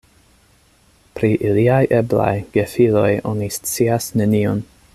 Pri iliaj eblaj gefiloj oni scias nenion.